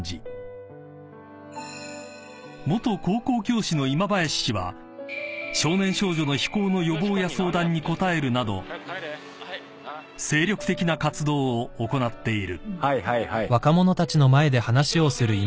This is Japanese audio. ［元高校教師の今林氏は少年少女の非行の予防や相談にこたえるなど精力的な活動を行っている］